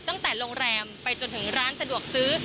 ตั้งแต่โรงแรมไปจนถึงร้านสะดวกซื้อ